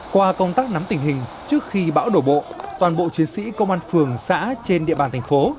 qua công tác nắm tình hình trước khi bão đổ bộ toàn bộ chiến sĩ công an phường xã trên địa bàn thành phố